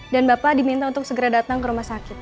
dan bapak diminta untuk segera datang ke rumah sakit